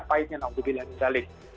apa ini yang nanggut dilihat misalnya